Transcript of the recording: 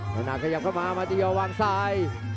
น้อยน่าขยับเข้ามามาตียอดวางซ้าย